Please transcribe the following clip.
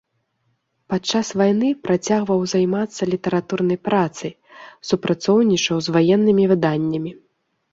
Падчас вайны працягваў займацца літаратурнай працай, супрацоўнічаў з ваеннымі выданнямі.